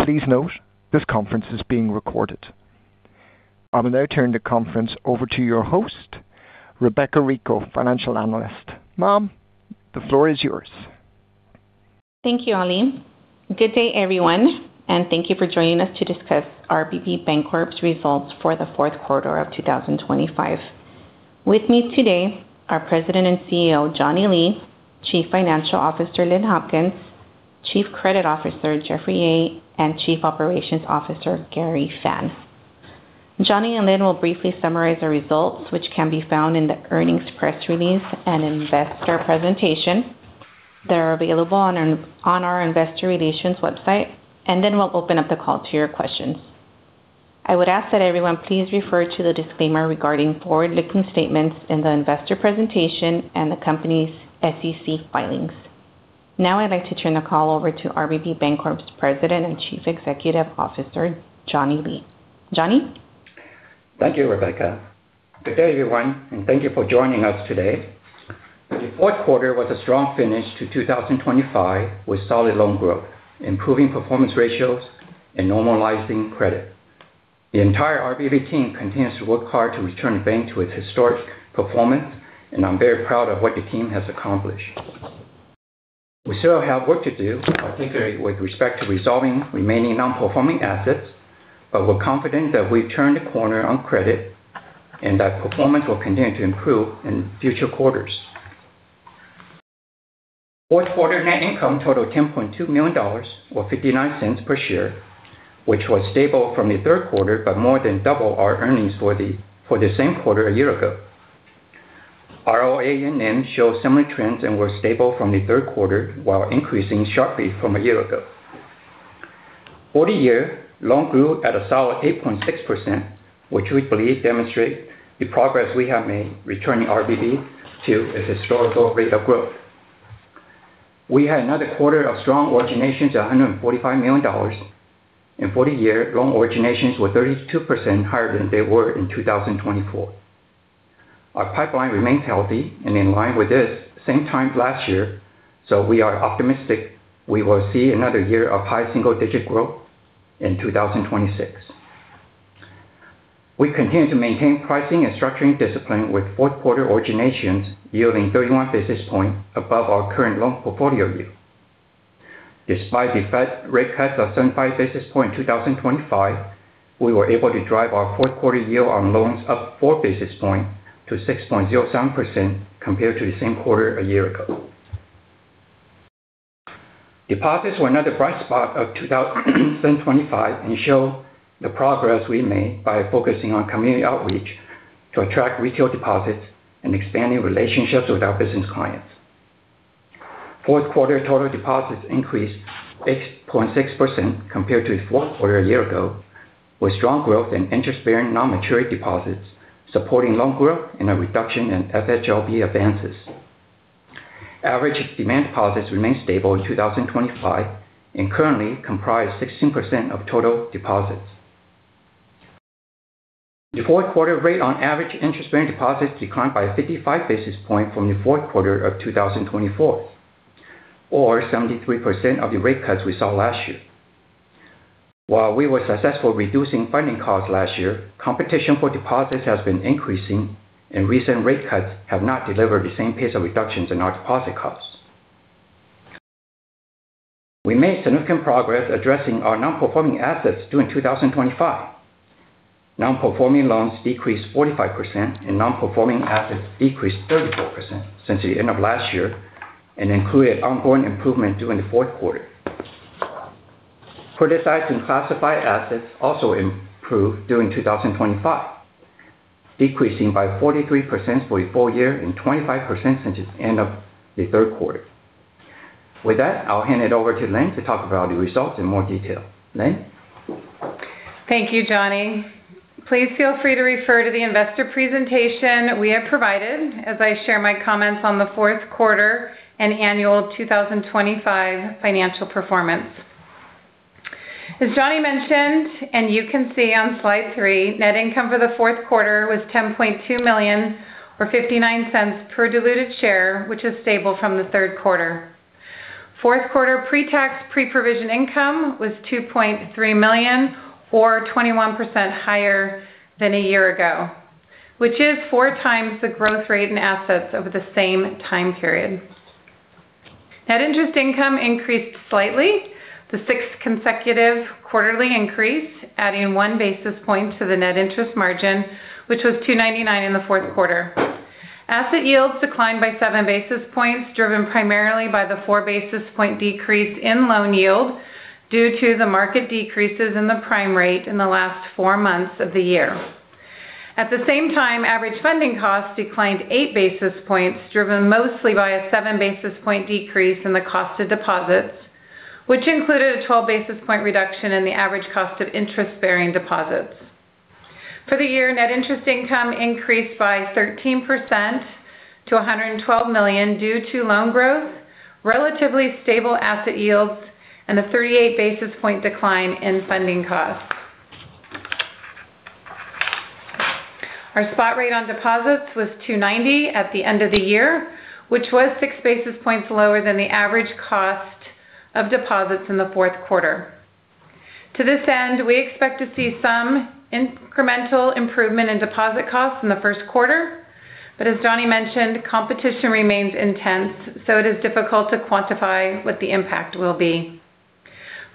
Please note, this conference is being recorded. I will now turn the conference over to your host, Rebeca Rico, Financial Analyst. Ma'am, the floor is yours. Thank you, Ollie. Good day, everyone, and thank you for joining us to discuss RBB Bancorp's results for the fourth quarter of 2025. With me today are President and CEO, Johnny Lee, Chief Financial Officer, Lynn Hopkins, Chief Credit Officer, Jeffrey Yeh, and Chief Operations Officer, Gary Fan. Johnny and Lynn will briefly summarize the results, which can be found in the earnings press release and investor presentation that are available on our investor relations website, and then we'll open up the call to your questions. I would ask that everyone please refer to the disclaimer regarding forward-looking statements in the investor presentation and the company's SEC filings. Now, I'd like to turn the call over to RBB Bancorp's President and Chief Executive Officer, Johnny Lee. Johnny? Thank you, Rebecca. Good day, everyone, and thank you for joining us today. The fourth quarter was a strong finish to 2025, with solid loan growth, improving performance ratios, and normalizing credit. The entire RBB team continues to work hard to return the bank to its historic performance, and I'm very proud of what the team has accomplished. We still have work to do, particularly with respect to resolving remaining non-performing assets, but we're confident that we've turned a corner on credit and that performance will continue to improve in future quarters. Fourth quarter net income totaled $10.2 million, or $0.59 per share, which was stable from the third quarter, but more than double our earnings for the same quarter a year ago. ROA and NIM showed similar trends and were stable from the third quarter, while increasing sharply from a year ago. For the year, loans grew at a solid 8.6%, which we believe demonstrate the progress we have made returning RBB to a historical rate of growth. We had another quarter of strong originations, $145 million, and for the year, loan originations were 32% higher than they were in 2024. Our pipeline remains healthy and in line with this same time last year, so we are optimistic we will see another year of high single-digit growth in 2026. We continue to maintain pricing and structuring discipline, with fourth quarter originations yielding 31 basis points above our current loan portfolio yield. Despite the Fed rate cuts of 75 basis points in 2025, we were able to drive our fourth quarter yield on loans up 4 basis points to 6.07% compared to the same quarter a year ago. Deposits were another bright spot of 2025 and show the progress we made by focusing on community outreach to attract retail deposits and expanding relationships with our business clients. Fourth quarter total deposits increased 8.6% compared to the fourth quarter a year ago, with strong growth in interest-bearing non-maturity deposits, supporting loan growth and a reduction in FHLB advances. Average demand deposits remained stable in 2025 and currently comprise 16% of total deposits. The fourth quarter rate on average interest-bearing deposits declined by 55 basis points from the fourth quarter of 2024, or 73% of the rate cuts we saw last year. While we were successful reducing funding costs last year, competition for deposits has been increasing, and recent rate cuts have not delivered the same pace of reductions in our deposit costs. We made significant progress addressing our non-performing assets during 2025. Non-performing loans decreased 45% and non-performing assets decreased 34% since the end of last year and included ongoing improvement during the fourth quarter. Criticized and classified assets also improved during 2025, decreasing by 43% for a full year and 25% since the end of the third quarter. With that, I'll hand it over to Lynn to talk about the results in more detail. Lynn? Thank you, Johnny. Please feel free to refer to the investor presentation we have provided as I share my comments on the fourth quarter and annual 2025 financial performance. As Johnny mentioned, and you can see on slide three, net income for the fourth quarter was $10.2 million, or $0.59 per diluted share, which is stable from the third quarter. Fourth quarter pre-tax, pre-provision income was $2.3 million or 21% higher than a year ago, which is four times the growth rate in assets over the same time period. Net interest income increased slightly, the sixth consecutive quarterly increase, adding one basis point to the net interest margin, which was 2.99 in the fourth quarter. Asset yields declined by 7 basis points, driven primarily by the 4 basis point decrease in loan yield due to the market decreases in the prime rate in the last 4 months of the year. At the same time, average funding costs declined 8 basis points, driven mostly by a 7 basis point decrease in the cost of deposits, which included a 12 basis point reduction in the average cost of interest-bearing deposits. For the year, net interest income increased by 13% to $112 million due to loan growth, relatively stable asset yields, and a 38 basis point decline in funding costs. Our spot rate on deposits was 2.90% at the end of the year, which was 6 basis points lower than the average cost of deposits in the fourth quarter. To this end, we expect to see some incremental improvement in deposit costs in the first quarter. But as Johnny mentioned, competition remains intense, so it is difficult to quantify what the impact will be.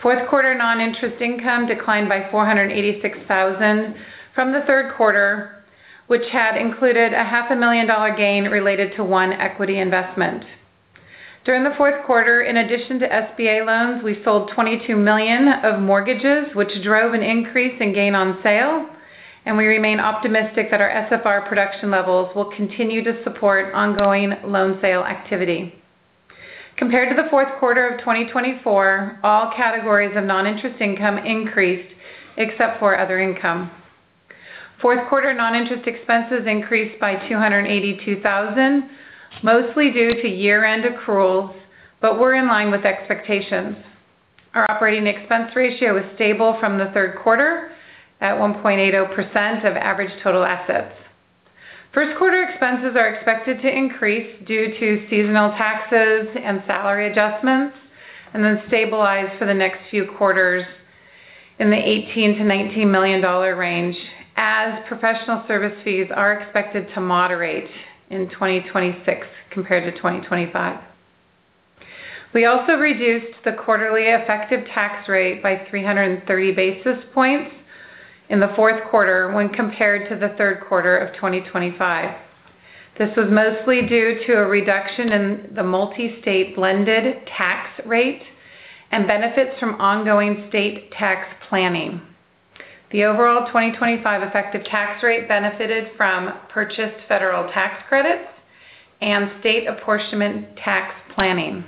Fourth quarter non-interest income declined by $486,000 from the third quarter, which had included a $500,000 gain related to one equity investment. During the fourth quarter, in addition to SBA loans, we sold $22 million of mortgages, which drove an increase in gain on sale, and we remain optimistic that our SFR production levels will continue to support ongoing loan sale activity. Compared to the fourth quarter of 2024, all categories of non-interest income increased except for other income. Fourth quarter non-interest expenses increased by $282,000, mostly due to year-end accruals, but we're in line with expectations. Our operating expense ratio was stable from the third quarter at 1.80% of average total assets. First quarter expenses are expected to increase due to seasonal taxes and salary adjustments, and then stabilize for the next few quarters in the $18 million-$19 million range, as professional service fees are expected to moderate in 2026 compared to 2025. We also reduced the quarterly effective tax rate by 330 basis points in the fourth quarter when compared to the third quarter of 2025. This was mostly due to a reduction in the multi-state blended tax rate and benefits from ongoing state tax planning. The overall 2025 effective tax rate benefited from purchased federal tax credits and state apportionment tax planning.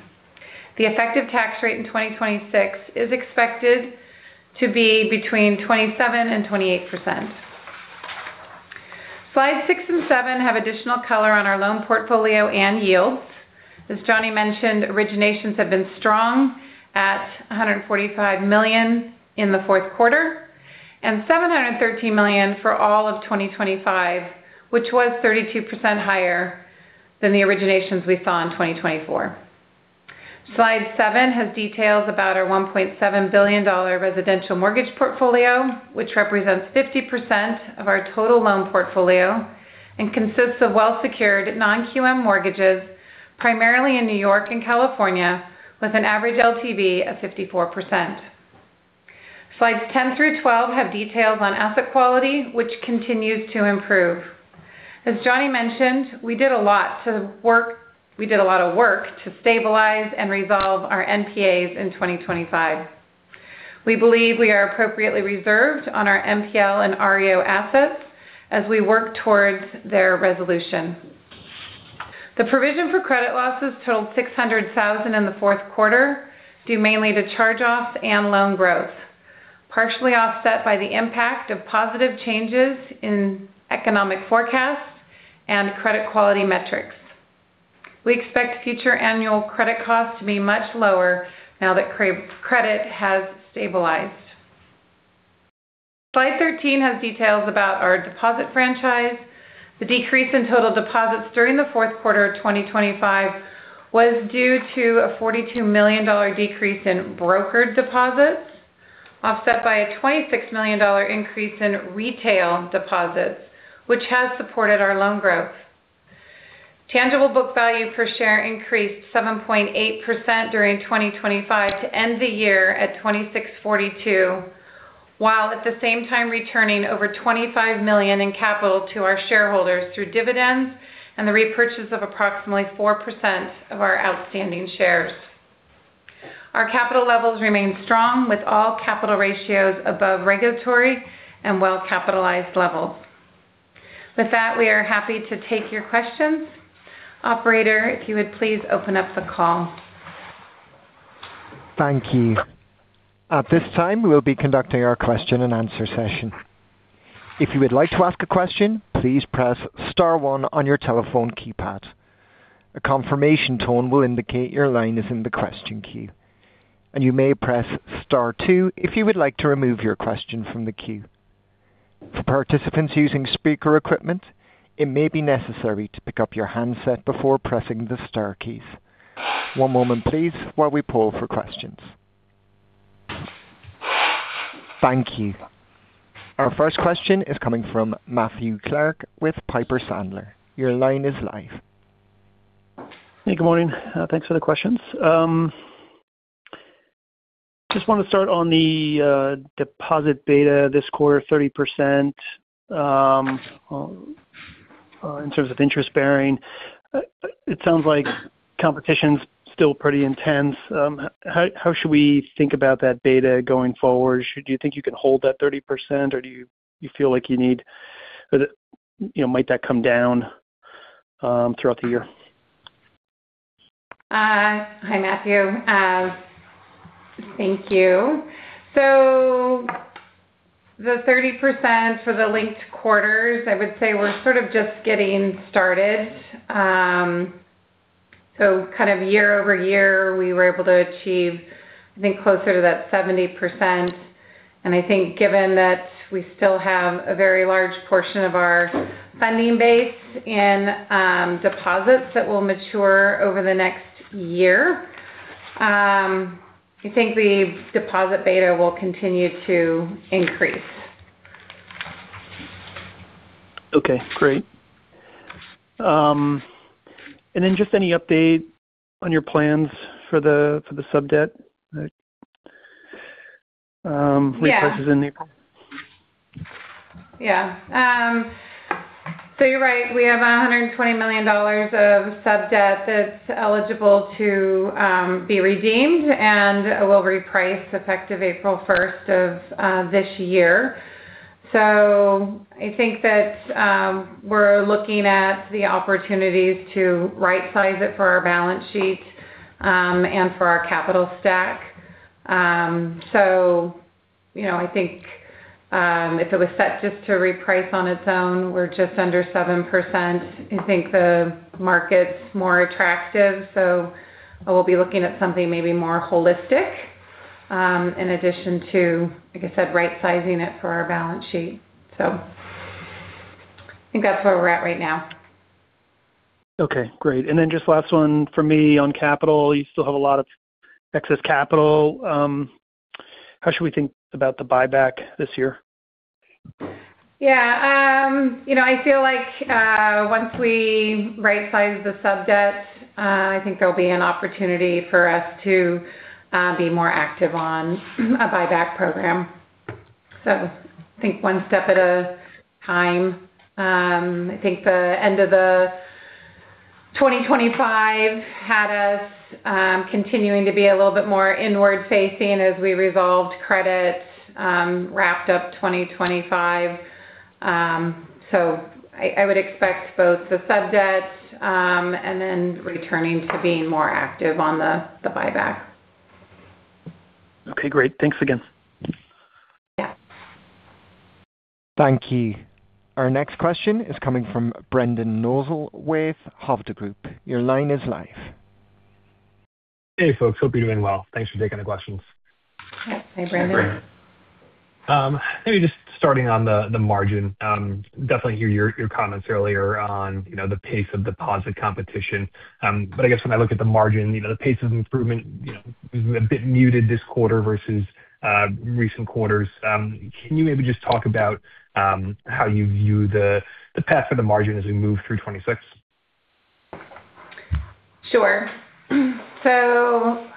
The effective tax rate in 2026 is expected to be between 27% and 28%. Slide six and seven have additional color on our loan portfolio and yields. As Johnny mentioned, originations have been strong at $145 million in the fourth quarter, and $713 million for all of 2025, which was 32% higher than the originations we saw in 2024. Slide seven has details about our $1.7 billion dollar residential mortgage portfolio, which represents 50% of our total loan portfolio and consists of well-secured non-QM mortgages, primarily in New York and California, with an average LTV of 54%. Slides 10 through 12 have details on asset quality, which continues to improve. As Johnny mentioned, we did a lot of work to stabilize and resolve our NPAs in 2025. We believe we are appropriately reserved on our NPL and REO assets as we work towards their resolution. The provision for credit losses totaled $600,000 in the fourth quarter, due mainly to charge-offs and loan growth, partially offset by the impact of positive changes in economic forecasts and credit quality metrics. We expect future annual credit costs to be much lower now that credit has stabilized. Slide 13 has details about our deposit franchise. The decrease in total deposits during the fourth quarter of 2025 was due to a $42 million decrease in brokered deposits, offset by a $26 million increase in retail deposits, which has supported our loan growth. Tangible book value per share increased 7.8% during 2025 to end the year at $26.42, while at the same time returning over $25 million in capital to our shareholders through dividends and the repurchase of approximately 4% of our outstanding shares. Our capital levels remain strong, with all capital ratios above regulatory and well-capitalized levels. With that, we are happy to take your questions. Operator, if you would please open up the call. Thank you. At this time, we will be conducting our question-and-answer session. If you would like to ask a question, please press star one on your telephone keypad. A confirmation tone will indicate your line is in the question queue, and you may press star two if you would like to remove your question from the queue. For participants using speaker equipment, it may be necessary to pick up your handset before pressing the star keys. One moment please, while we poll for questions. Thank you. Our first question is coming from Matthew Clark with Piper Sandler. Your line is live. Hey, good morning. Thanks for the questions. Just want to start on the deposit beta this quarter, 30%, in terms of interest bearing. It sounds like competition's still pretty intense. How should we think about that beta going forward? Should you think you can hold that 30%, or do you feel like you need, you know, might that come down throughout the year? Hi, Matthew. Thank you. So the 30% for the linked quarters, I would say we're sort of just getting started. So kind of year-over-year, we were able to achieve, I think, closer to that 70%. And I think given that we still have a very large portion of our funding base in deposits that will mature over the next year, I think the deposit beta will continue to increase. Okay, great. And then just any update on your plans for the sub-debt refreshes in April? Yeah. So you're right. We have $120 million of sub-debt that's eligible to be redeemed and will reprice effective April first of this year. So I think that we're looking at the opportunities to rightsize it for our balance sheet and for our capital stack. So, you know, I think if it was set just to reprice on its own, we're just under 7%. I think the market's more attractive, so I will be looking at something maybe more holistic in addition to, like I said, rightsizing it for our balance sheet. So I think that's where we're at right now. Okay, great. And then just last one for me on capital. You still have a lot of excess capital. How should we think about the buyback this year? Yeah. You know, I feel like, once we rightsize the sub-debt, I think there'll be an opportunity for us to, be more active on a buyback program. So I think one step at a time. I think the end of 2025 had us, continuing to be a little bit more inward-facing as we resolved credits, wrapped up 2025. So I, I would expect both the sub-debt, and then returning to being more active on the, the buyback. Okay, great. Thanks again. Yeah. Thank you. Our next question is coming from Brendan Nosal with Hovde Group. Your line is live. Hey, folks, hope you're doing well. Thanks for taking the questions. Hi, Brendan. Great. Maybe just starting on the margin. Definitely hear your comments earlier on, you know, the pace of deposit competition. But I guess when I look at the margin, you know, the pace of improvement, you know, is a bit muted this quarter versus recent quarters. Can you maybe just talk about how you view the path for the margin as we move through 2026? Sure. So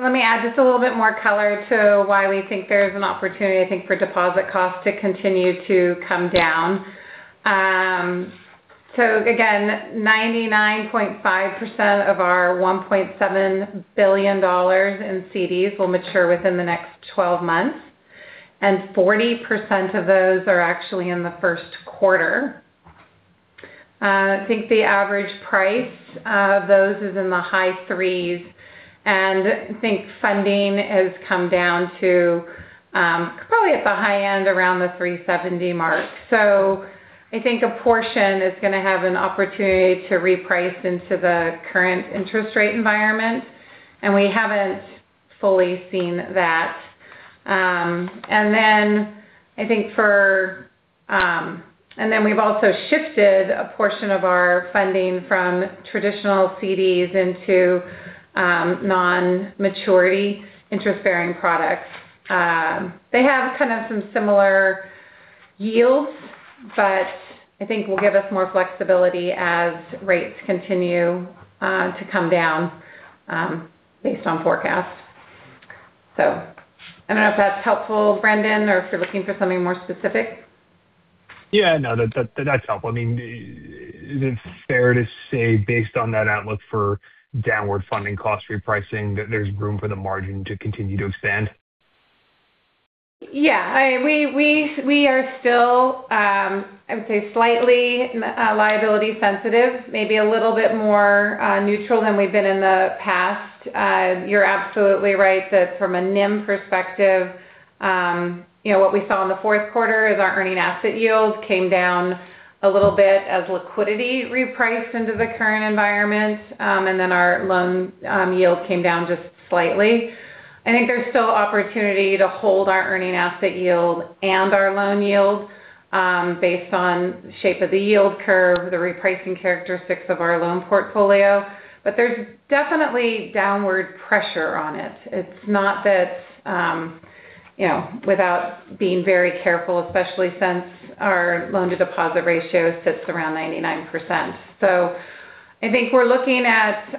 let me add just a little bit more color to why we think there's an opportunity, I think, for deposit costs to continue to come down. So again, 99.5% of our $1.7 billion in CDs will mature within the next twelve months, and 40% of those are actually in the first quarter. I think the average price of those is in the high threes, and I think funding has come down to, probably at the high end, around the 3.70 mark. So I think a portion is going to have an opportunity to reprice into the current interest rate environment, and we haven't fully seen that. And then we've also shifted a portion of our funding from traditional CDs into non-maturity interest-bearing products. They have kind of some similar yields, but I think will give us more flexibility as rates continue to come down, based on forecasts. So I don't know if that's helpful, Brendan, or if you're looking for something more specific. Yeah, no, that's helpful. I mean, is it fair to say, based on that outlook for downward funding cost repricing, that there's room for the margin to continue to expand? Yeah. We are still, I would say, slightly liability sensitive, maybe a little bit more neutral than we've been in the past. You're absolutely right that from a NIM perspective, you know, what we saw in the fourth quarter is our earning asset yield came down a little bit as liquidity repriced into the current environment, and then our loan yield came down just slightly. I think there's still opportunity to hold our earning asset yield and our loan yield, based on the shape of the yield curve, the repricing characteristics of our loan portfolio, but there's definitely downward pressure on it. It's not that, you know, without being very careful, especially since our loan-to-deposit ratio sits around 99%. So I think we're looking at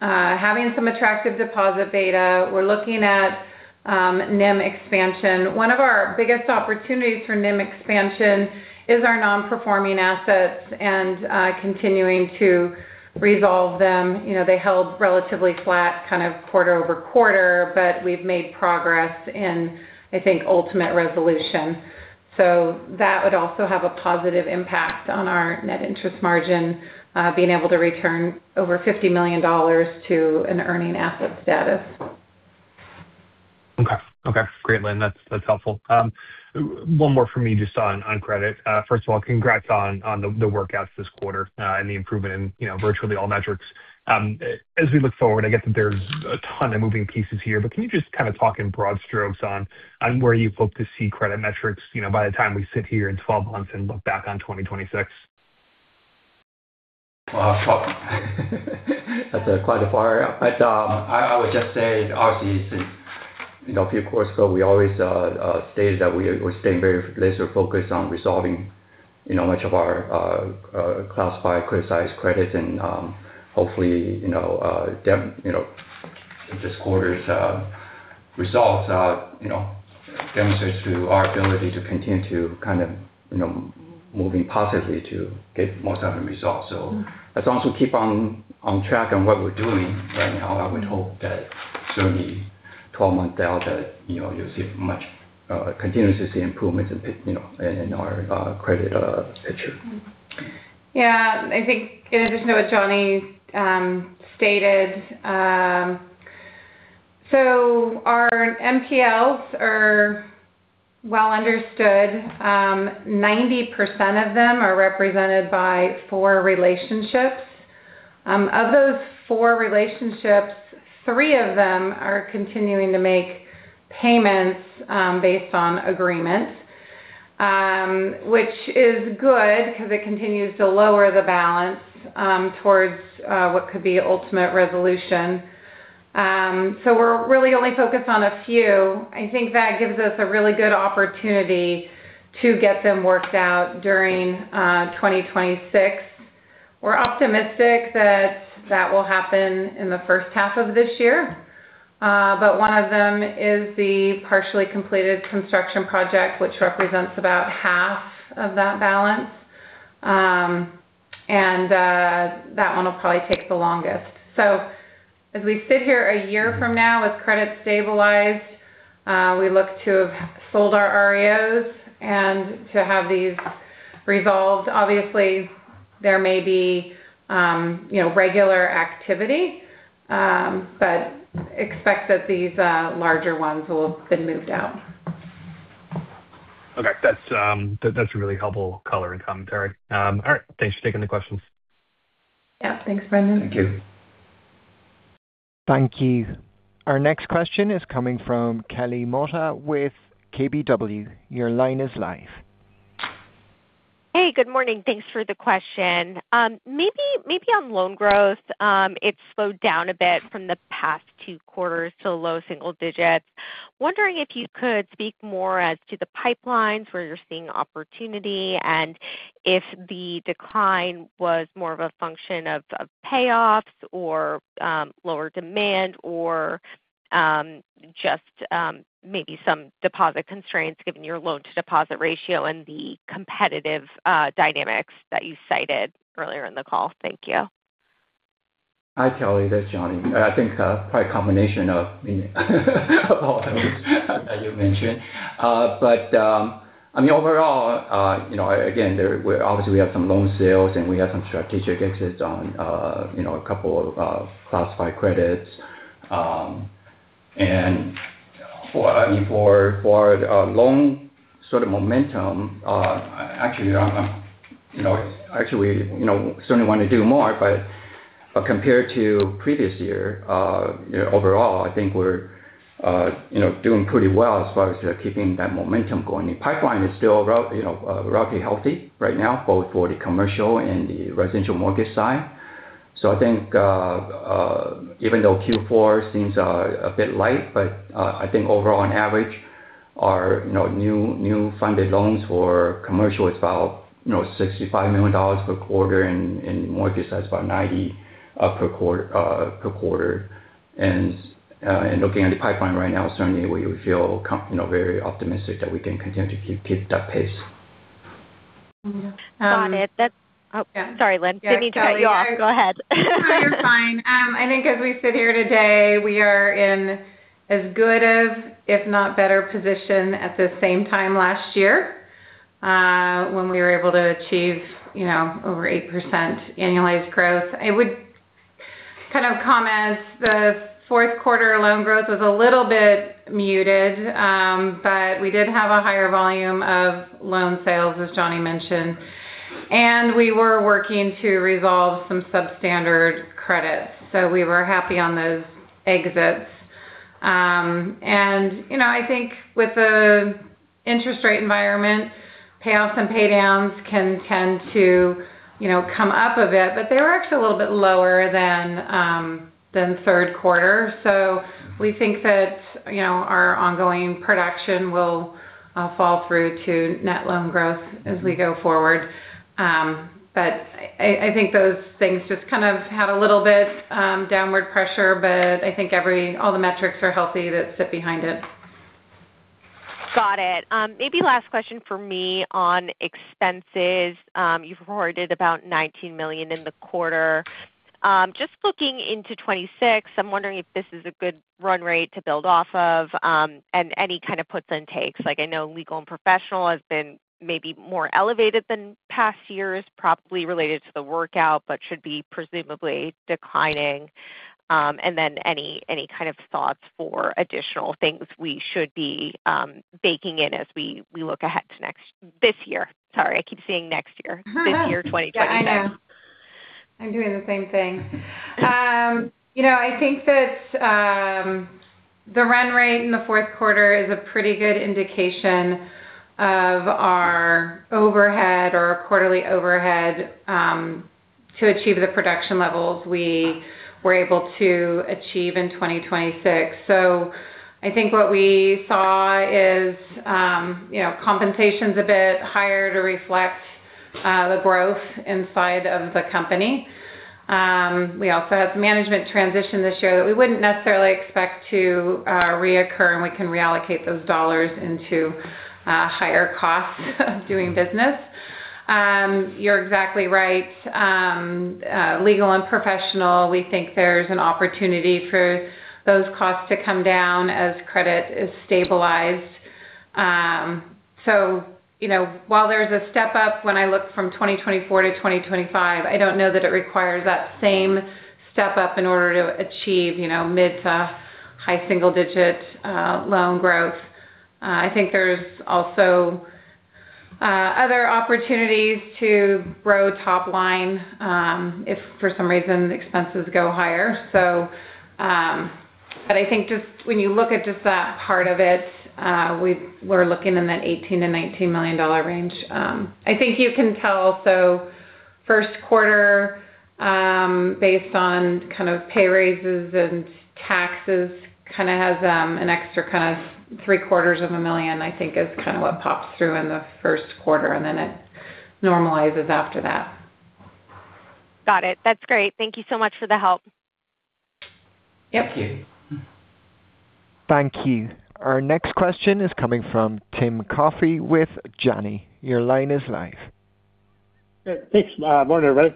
having some attractive deposit beta. We're looking at NIM expansion. One of our biggest opportunities for NIM expansion is our non-performing assets and continuing to resolve them. You know, they held relatively flat, kind of quarter-over-quarter, but we've made progress in, I think, ultimate resolution. So that would also have a positive impact on our net interest margin, being able to return over $50 million to an earning asset status. Okay. Okay, great, Lynn. That's, that's helpful. One more for me just on, on credit. First of all, congrats on, on the, the workouts this quarter, and the improvement in, you know, virtually all metrics. As we look forward, I get that there's a ton of moving pieces here, but can you just kind of talk in broad strokes on, on where you hope to see credit metrics, you know, by the time we sit here in 12 months and look back on 2026? Well, that's quite a far out, but I would just say, obviously, you know, a few quarters ago, we always stated that we're staying very laser focused on resolving, you know, much of our classified, criticized credits. And, hopefully, you know, this quarter's results demonstrates to our ability to continue to kind of, you know, moving positively to get more timely results. So as long as we keep on track on what we're doing right now, I would hope that certainly 12 months out, that, you know, you'll see much continuously improvement in, you know, in our credit picture. Yeah. I think in addition to what Johnny stated, so our NPLs are well understood. 90% of them are represented by four relationships. Of those four relationships, three of them are continuing to make payments, based on agreements, which is good because it continues to lower the balance, towards what could be ultimate resolution. So we're really only focused on a few. I think that gives us a really good opportunity to get them worked out during 2026. We're optimistic that that will happen in the first half of this year. But one of them is the partially completed construction project, which represents about half of that balance. And that one will probably take the longest. So as we sit here a year from now, with credit stabilized, we look to have sold our REOs and to have these resolved. Obviously, there may be, you know, regular activity, but expect that these larger ones will have been moved out. Okay. That's, that's a really helpful color and commentary. All right, thanks for taking the questions. Yeah. Thanks, Brendan. Thank you. Thank you. Our next question is coming from Kelly Motta with KBW. Your line is live. Hey, good morning. Thanks for the question. Maybe on loan growth, it's slowed down a bit from the past two quarters to low single digits. Wondering if you could speak more as to the pipelines where you're seeing opportunity, and if the decline was more of a function of payoffs or lower demand or just maybe some deposit constraints, given your loan-to-deposit ratio and the competitive dynamics that you cited earlier in the call. Thank you. Hi, Kelly. This is Johnny. I think, probably a combination of, all those that you mentioned. But, I mean, overall, you know, again, obviously, we have some loan sales, and we have some strategic exits on, you know, a couple of, classified credits. And for, I mean, for, loan sort of momentum, actually, you know, actually, you know, certainly want to do more. But, compared to previous year, you know, overall, I think we're, you know, doing pretty well as far as keeping that momentum going. The pipeline is still relatively healthy right now, both for the commercial and the residential mortgage side. So I think even though Q4 seems a bit light, but I think overall, on average, our you know new funded loans for commercial is about you know $65 million per quarter, and mortgage, that's about $90 million per quarter per quarter. And looking at the pipeline right now, certainly we feel you know very optimistic that we can continue to keep that pace. Got it. That's- Yeah. Oh, sorry, Lynn. I didn't mean to cut you off. Go ahead. No, you're fine. I think as we sit here today, we are in as good as, if not better position at the same time last year, when we were able to achieve, you know, over 8% annualized growth. I would kind of comment, the fourth quarter loan growth was a little bit muted, but we did have a higher volume of loan sales, as Johnny mentioned, and we were working to resolve some substandard credits, so we were happy on those exits. And you know, I think with the interest rate environment, payoffs and paydowns can tend to, you know, come up a bit, but they were actually a little bit lower than, than third quarter. So we think that, you know, our ongoing production will, fall through to net loan growth as we go forward. But I think those things just kind of had a little bit downward pressure, but I think all the metrics are healthy that sit behind it. Got it. Maybe last question for me on expenses. You've reported about $19 million in the quarter. Just looking into 2026, I'm wondering if this is a good run rate to build off of, and any kind of puts and takes. Like, I know legal and professional has been maybe more elevated than past years, probably related to the workout, but should be presumably declining. And then any kind of thoughts for additional things we should be baking in as we look ahead to next, this year? Sorry, I keep saying next year. This year, 2026. Yeah, I know. I'm doing the same thing. You know, I think that the run rate in the fourth quarter is a pretty good indication of our overhead or quarterly overhead to achieve the production levels we were able to achieve in 2026. So I think what we saw is you know, compensation's a bit higher to reflect the growth inside of the company. We also had the management transition this year that we wouldn't necessarily expect to reoccur, and we can reallocate those dollars into higher costs of doing business. You're exactly right. Legal and professional, we think there's an opportunity for those costs to come down as credit is stabilized. So, you know, while there's a step up, when I look from 2024 to 2025, I don't know that it requires that same step up in order to achieve, you know, mid- to high-single-digit loan growth. I think there's also other opportunities to grow top line, if for some reason, the expenses go higher. So, but I think just when you look at just that part of it, we're looking in that $18 million-$19 million range. I think you can tell so first quarter, based on kind of pay raises and taxes, kind of has an extra kind of $750,000, I think is kind of what pops through in the first quarter, and then it normalizes after that. Got it. That's great. Thank you so much for the help. Yep. Thank you. Our next question is coming from Tim Coffey with Janney. Your line is live. Thanks. Morning, everybody.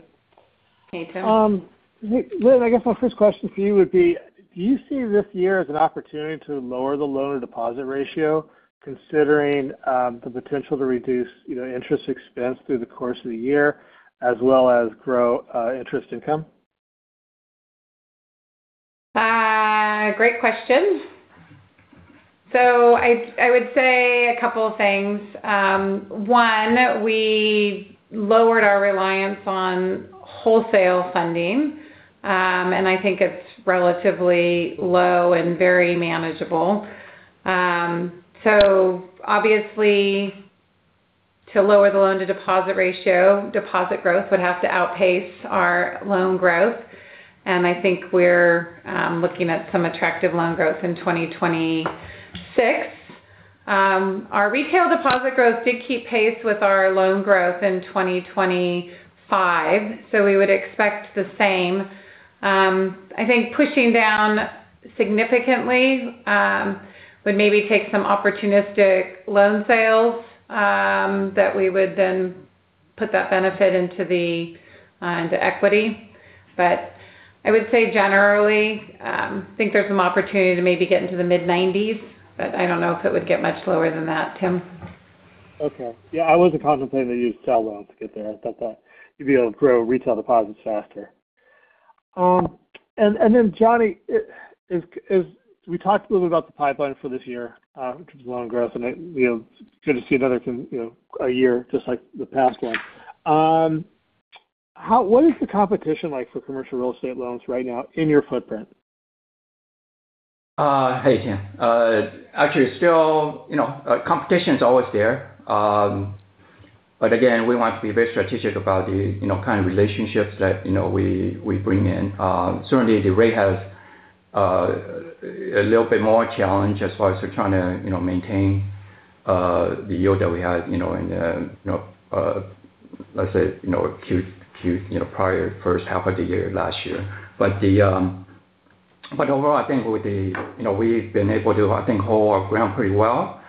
Hey, Tim. Lynn, I guess my first question for you would be: do you see this year as an opportunity to lower the loan-to-deposit ratio, considering, the potential to reduce, you know, interest expense through the course of the year as well as grow, interest income? Great question. So I would say a couple of things. One, we lowered our reliance on wholesale funding, and I think it's relatively low and very manageable. So obviously, to lower the loan-to-deposit ratio, deposit growth would have to outpace our loan growth, and I think we're looking at some attractive loan growth in 2026. Our retail deposit growth did keep pace with our loan growth in 2025, so we would expect the same. I think pushing down significantly would maybe take some opportunistic loan sales that we would then put that benefit into equity. But I would say generally, think there's some opportunity to maybe get into the mid-90s, but I don't know if it would get much lower than that, Tim. Okay. Yeah, I wasn't contemplating that you'd sell loans to get there. I thought that you'd be able to grow retail deposits faster. And then, Johnny, as we talked a little bit about the pipeline for this year, in terms of loan growth, and, you know, good to see another thing, you know, a year just like the past one. What is the competition like for commercial real estate loans right now in your footprint? Hey, Tim. Actually, still, you know, competition is always there. But again, we want to be very strategic about the, you know, kind of relationships that, you know, we, we bring in. Certainly the rate has a little bit more challenge as far as we're trying to, you know, maintain the yield that we had, you know, in, you know, let's say, you know, Q2, you know, prior first half of the year, last year. But the, but overall, I think with the, you know, we've been able to, I think, hold our ground pretty well,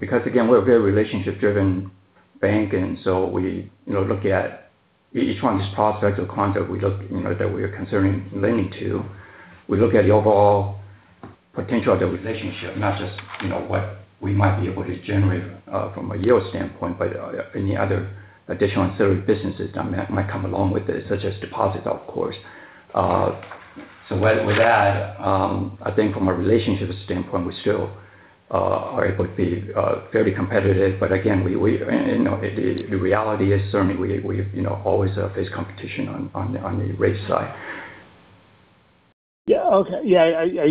because again, we're a very relationship-driven bank, and so we, you know, look at each one of these prospects or client that we look, you know, that we are considering lending to. We look at the overall potential of the relationship, not just, you know, what we might be able to generate from a yield standpoint, but any other additional and ancillary businesses that might come along with it, such as deposits, of course. So with that, I think from a relationships standpoint, we still are able to be fairly competitive. But again, we you know, the reality is certainly we always face competition on the rate side. Yeah. Okay. Yeah, are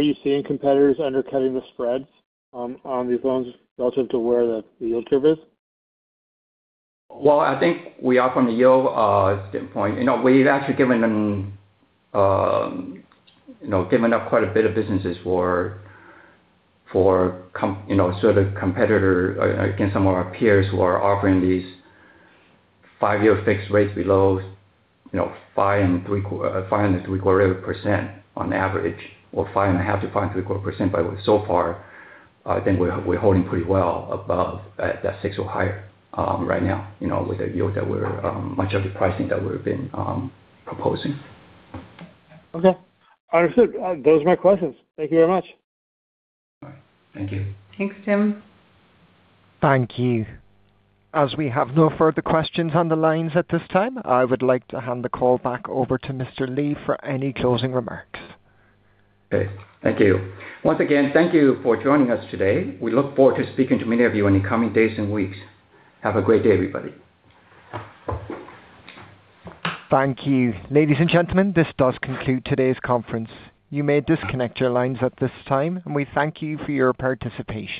you seeing competitors undercutting the spreads on these loans relative to where the yield curve is? Well, I think we are from a yield standpoint. You know, we've actually given them, you know, given up quite a bit of businesses for you know, so the competitor, against some of our peers who are offering these five-year fixed rates below, you know, 5.75% on average, or 5.5%-5.75%. But so far, I think we're, we're holding pretty well above at that 6% or higher, right now, you know, with the yield that we're, much of the pricing that we've been, proposing. Okay. Understood. Those are my questions. Thank you very much. Thank you. Thanks, Tim. Thank you. As we have no further questions on the lines at this time, I would like to hand the call back over to Mr. Lee for any closing remarks. Okay, thank you. Once again, thank you for joining us today. We look forward to speaking to many of you in the coming days and weeks. Have a great day, everybody. Thank you. Ladies and gentlemen, this does conclude today's conference. You may disconnect your lines at this time, and we thank you for your participation.